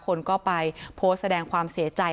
คนก็ไปโพสต์แสดงความเสียใจ